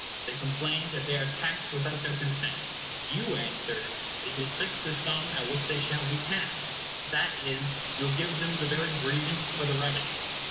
They complain that they are taxed without their consent, you answer, that you will fix the sum at which they shall be taxed. That is, you give them the very grievance for the remedy.